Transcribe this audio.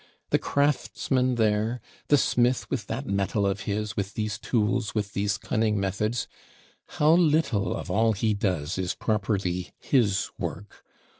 The craftsman there, the smith with that metal of his, with these tools, with these cunning methods, how little of all he does is properly his work!